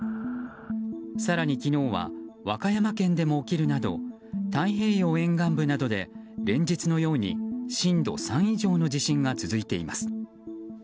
更に昨日は和歌山県でも起きるなど太平洋沿岸部などで連日のように震度３以上の地震が続いています。